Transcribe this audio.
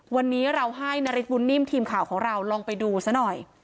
วันนี้เราให้นาริสบุญนิ่มทีมข่าวของเราลองไปดูซะหน่อย